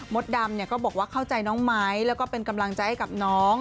ดำก็บอกว่าเข้าใจน้องไม้แล้วก็เป็นกำลังใจให้กับน้อง